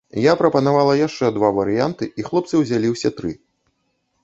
Я прапанавала яшчэ два варыянты і хлопцы ўзялі ўсе тры.